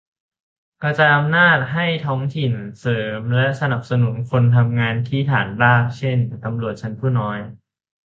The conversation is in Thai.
- กระจายอำนาจให้ท้องถิ่น-เสริมและสนับสนุนคนทำงานที่ฐานราก เช่น ตำรวจชั้นผู้น้อย